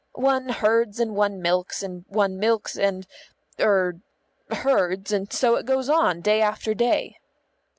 One herds and one milks, and one milks, and er herds, and so it goes on day after day."